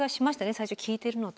最初聞いてるのと。